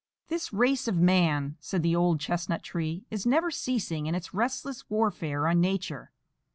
"This race of man," said the old chestnut tree, "is never ceasing in its restless warfare on Nature.